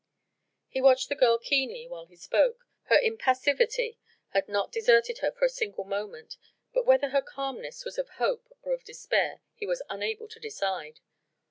He watched the girl keenly while he spoke. Her impassivity had not deserted her for a single moment: but whether her calmness was of hope or of despair he was unable to decide.